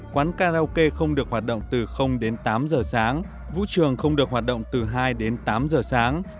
quán karaoke không được hoạt động từ đến tám giờ sáng vũ trường không được hoạt động từ hai đến tám giờ sáng